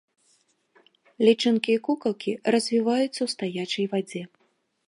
Лічынкі і кукалкі развіваюцца ў стаячай вадзе.